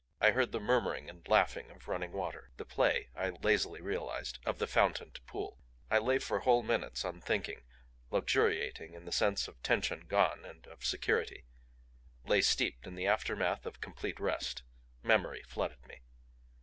I heard the murmuring and laughing of running water, the play, I lazily realized, of the fountained pool. I lay for whole minutes unthinking, luxuriating in the sense of tension gone and of security; lay steeped in the aftermath of complete rest. Memory flooded me.